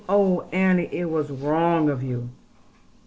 Oh, Annie, it was wrong of you!'